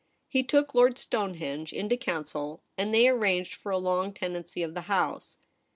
He took Lord Stonehenge into council, and they arranged for a long tenancy of the house.